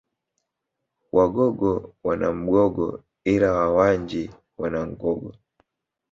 Wagogo wana Mgogo ila Wawanji wana Ngogo